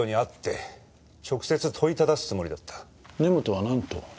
根本はなんと？